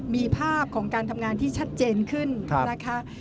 มีภาพของการทำงานที่ชัดเจนขึ้นนะคะ